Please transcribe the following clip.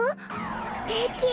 すてき！